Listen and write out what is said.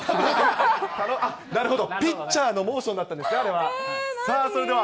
あっ、なるほど、ピッチャーのモーションだったんですね、あれは。